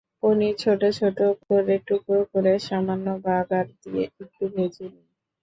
পনির ছোট ছোট করে টুকরা করে সামান্য বাগার দিয়ে একটু ভেজে নিন।